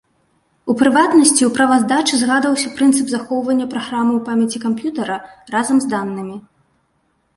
У прыватнасці ў справаздачы згадваўся прынцып захоўвання праграмы ў памяці камп'ютара разам з данымі.